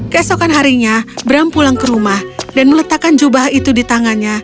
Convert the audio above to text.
keesokan harinya bram pulang ke rumah dan meletakkan jubah itu di tangannya